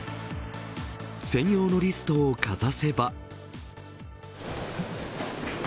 専用のリストをかざせば。